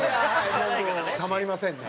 もうたまりませんね。